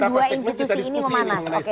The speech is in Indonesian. dua institusi ini memanas